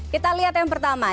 kita lihat yang pertama